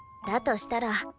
としたら